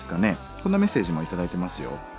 こんなメッセージも頂いてますよ。